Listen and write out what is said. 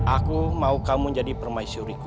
aku ingin kau menjadi permaisuriku